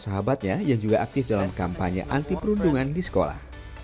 sahabatnya yang juga aktif dalam kampanye anti perundungan di sekolah